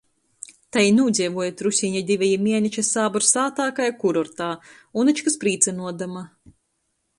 Tai i nūdzeivuoja trusīne diveji mieneši sābru sātā kai kurortā, unučkys prīcynuodama.